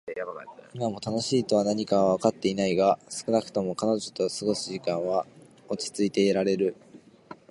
今も「楽しい」とは何かはわかってはいないが、少なくとも彼女と過ごす時間は落ち着いていられる。